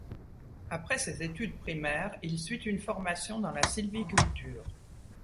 Après ses études primaires, il suit une formation dans la sylviculture.